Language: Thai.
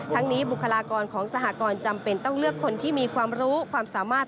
นี้บุคลากรของสหกรณ์จำเป็นต้องเลือกคนที่มีความรู้ความสามารถ